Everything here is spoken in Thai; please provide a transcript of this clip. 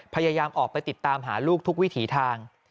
พยายามออกไปติดตามหาลูกทุกวิถีทาง